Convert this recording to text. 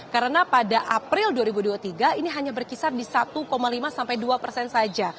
karena pada april dua ribu dua puluh tiga ini hanya berkisar di satu lima sampai dua persen saja